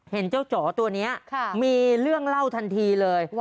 เห็นเจ้าจ๋อตัวนี้มีเรื่องเล่าทันทีเลย